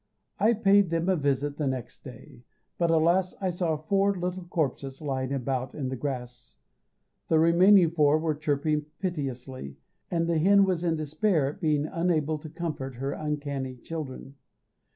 I paid them a visit the next day, but, alas! I saw four little corpses lying about in the grass, the remaining four were chirping piteously, and the hen was in despair at being unable to comfort her uncanny children.